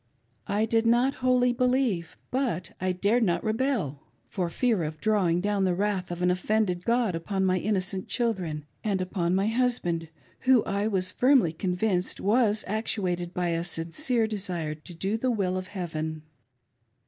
I did not wholly belie\^, but I dared not rebel, for fear of draw ing down the wrath of an offended God upon my innocent children and upon my husband, who I was firmly convinced was actuated by a sincere desiretodo the will of Heaven.